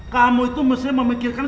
kamu itu mesti memikirkan